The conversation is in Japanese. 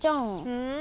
うん？